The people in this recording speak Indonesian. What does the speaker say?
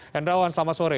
hendrawan selamat sore